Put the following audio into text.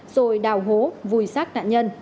rồi đào hố vùi sát nạn nhân